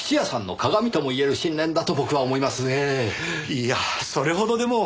いやそれほどでも。